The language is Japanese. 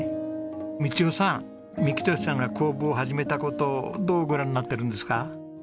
三千代さん幹寿さんが工房を始めた事どうご覧になってるんですか？